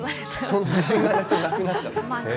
自信がなくなっちゃった。